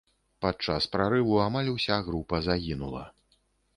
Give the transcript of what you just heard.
Падчас прарыву амаль уся група загінула.